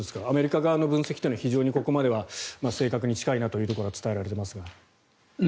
アメリカ側の分析というのは非常にここまでは正確に近いなというところが伝えられていますが。